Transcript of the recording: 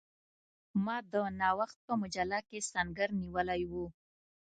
ما د نوښت په مجله کې سنګر نیولی وو.